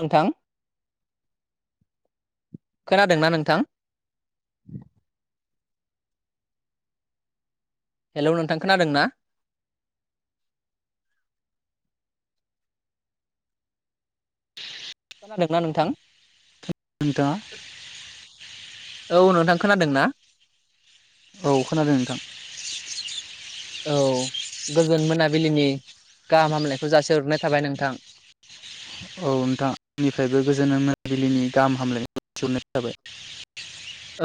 नोंथां खोनादोंना नोंथां? हेलौ नोंथां खोनादों ना? खोनादोंना नोंथां? नोंथाङा औ नोंथां खोनादों ना? औ खोनादों नोंथां। औ गोजोन मोनाबिलिनि गाहाम हामलायखौ जासिहरग्रोनाय थाबाय नोंथां। औ नोंथां आंनिफ्रायबो गोजोन मोनाबिलिनि गाहाम हामलायनायखौ जासिहरनाय थाबाय।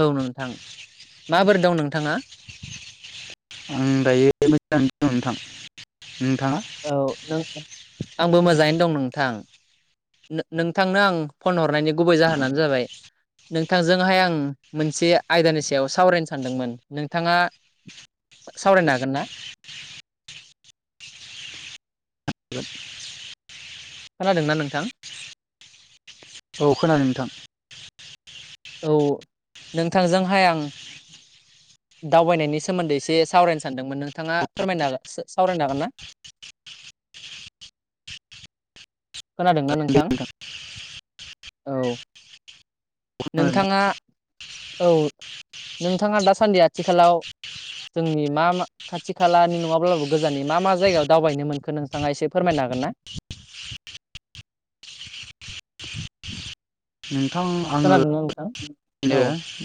औ नोंथां माबोरै दं नोंथाङा? आं दायो मोजाङैनो दं नोंथां। नोंथाङा औ नों आंबो मोजाङैनो दं नोंथां। नोंथांनो आं फन हरनायनि गुबै जाहोनानो जाबाय। नोंथांजोंहाय आं मोनसे आयदानि सायाव सावरायनो सानदोंमोन नोंथाङा सावरायनो हागोन ना? खोनादोंना नोंथां? औ खोनादों नोंथां। औ नोंथांजोंहाय आं दावबायनायनि सोमोन्दै एसे सावरायनो सानदोंमोन नोंथाङा फोरमायनो हागोन सावरायनो हागोन ना? खोनादोंना नोंथां। औ खोनादों नोंथां नोंथाङा औ नोंथाङा दासान्दि आथिखालाव जोंनि मा मा खाथि खालानि नङाब्लाबो गोजाननि मा मा जायगायाव दावबायनो मोनखो नोंथाङा एसे फोरमायनो हागोनना? नोंथां नोंथां आङोनो औ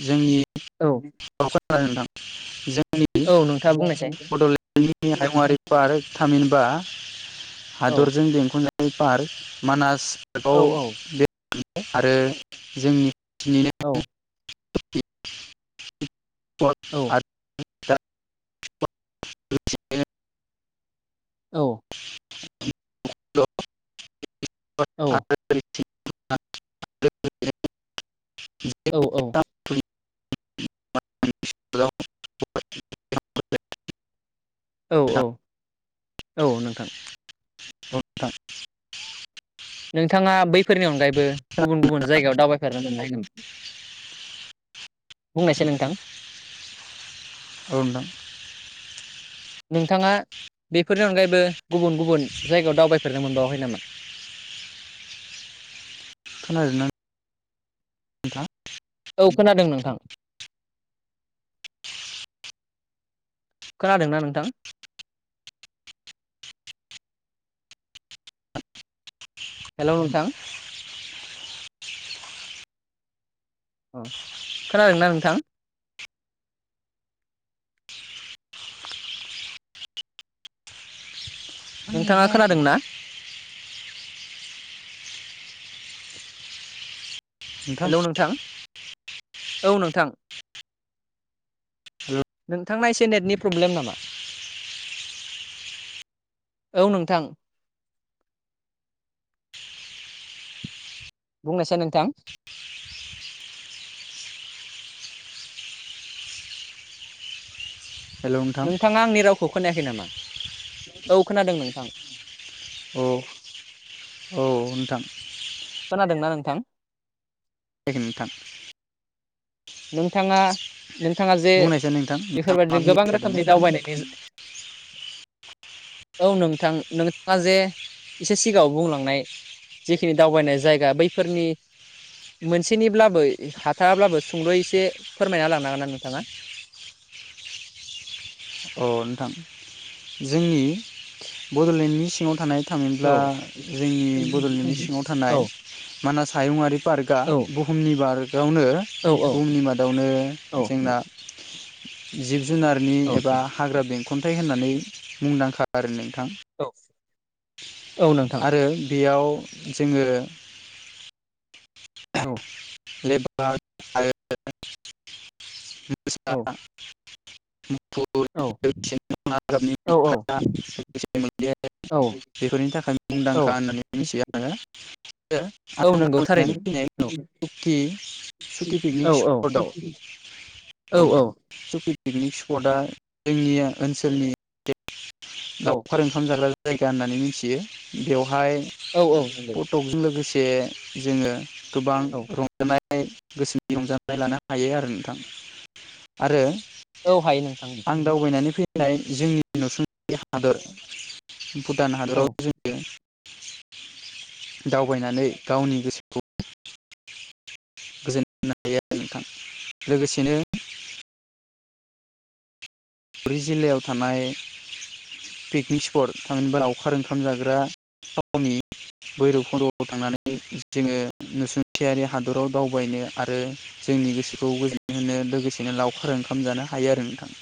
जोंनि औ क'क्राझार नोंथां [unintelligible] जोंनि औ नोंथाङा बुंनायसाय बड'लेण्डनि हायुङारारि पार्क थामहिनबा औ हादरजों बेंख'जानाय पार्क मानास औ औ पार्कआव बे आरो जोंनि औ [unintelligible] औ [unintelligible] औ औ [unintelligible] [unintelligible] औ औ [unintelligible] औ औ लोगोसेनो औ नोंथां [unintelligible] नोंथाङा बैफोरनि अनगायैबो गुबुन गुबुन जायगायाव दावबायफेरनो मोनबाय नामा? बुंनायसै नोंथां। औ नोंथां नोंथाङा बेफोरनि अनगायैबो गुबुन गुबुन जायगायाव दावबाय फेरनो मोनबावाखै नामा? खोनादोंना नोंथां? औ खोनादों नोंथां। खोनादोंना नोंथां? हेल' नोंथां अ खोनादोंना नोंथां? नोंथाङा आंनिब्लाखै खोनादों ना? हेल नोंथां औ नोंथां हेल' नोंथांना एसे नेटनि प्रब्लेम नामा औ नोंथां बुंनोसै नोंथां हेल' नोंथां नोंथाङा आंनि रावखौ खोनायाखै नामा औ खोनादों नोंथां औ औ नोंथां। खोनादोंना नोंथां? खोनायाखै नोंथां। नोंथाङा नोंथाङा जे बुंनायसाय नोंथां नोंथां मा बेफोरबायदिनो बुंनो गोबां रोखोमनि सानदोंमोन दावबायनायनि औ नोंथां नोंथाङा जे एसे सिगाङाव बुंलांनाय जिखिनि दावबायनाय जायगा बैफोरनि मोनसेनिब्लाबो हाथाराब्लाबो सुंदुयै एसे फोरमायना होलांनो हागोनना नोंथाङा अ नोंथां जोंनि बड'लेण्डनि सिङाव थानाय औ थामिनब्ला जोंनि बड'लेण्डनि सिङाव थानाय औ मानास हायुंङरि पार्कआ औ बुहुमनि बार्क बेयावनो औ बुहुमनि मादावनो औ जोंना जि जुनारनि औ एबा हाग्रा बेंखन्थाइ होननानै मुंदांखा आरो नों औ ' औ नोंथां आरो बेयाव जोङो औ लेवपारद आरो औ मोसा मुफुर औ [unintelligible] औ औ बेफोरनि थाखाय मुंदांखा औ होननानै मिथियो आरो [unintelligible] औ नंगौ फैनाय थारैनो औ सुकि औ पिकनिक औ स्पटआव औ पिकनिक स्पटआ जोंनिया ओनसोलनि औ लावखार ओंखाम जाग्रा जायगा होननानै मिथियो बेवहाय बेवहाय औ औ नंगौ फटकजों लोगोसे जोङो गोबां औ रंजानाय गोसोनि रंजानाय लानो हायो आरो नोंथां आरो औ हायो नोंथां। जाय जोंनि नुसुंसे हादर भुटान औ हादराव जोङो दावबायनानै गावनि गोसोखौ - गोजोनो हायो आरो नोंथां लोगोसेनो ब्रिजिल्लायाव थानाय पिकनिक स्पट थाङहिबा अखार ओंखाम जाग्रा थावनि भैरब खन्द'आव थांनानै जोङो नुसुंथियारि हादराव दावबायनो आरो जोंनि गोसोखौ गोजोननाय होनो लोगोसेनो लावखार ओंखाम जानो हायो आरो नोंथां।